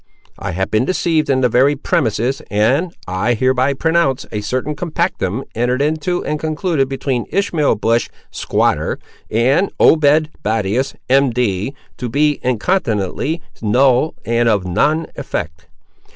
I have been deceived in the very premises, and, I hereby pronounce, a certain compactum, entered into and concluded between Ishmael Bush, squatter, and Obed Battius, M.D., to be incontinently null and of non effect.